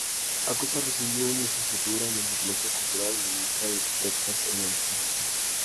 Acosta recibió una licenciatura en antropología cultural en la Universidad de Texas en Austin.